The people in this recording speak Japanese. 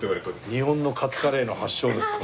日本のカツカレーの発祥です。